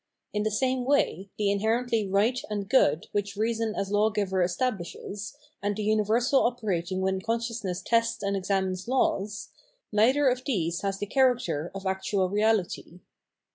In the same way, the inherently right and good which reason as lawgiver estabhshes, and the universal operating when consciousness tests and examines laws — neither of these has the character of actual reahty.